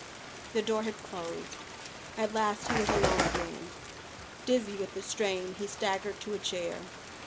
The door had closed. At last he was alone again. Dizzy with the strain he staggered to a chair.